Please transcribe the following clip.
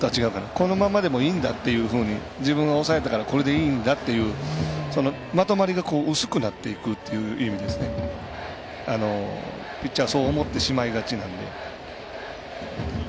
このままでもいいんだっていうふうに自分は抑えたからこれでいいんだっていうまとまりが薄くなっていくという意味ですね、ピッチャーがそう思ってしまいがちなので。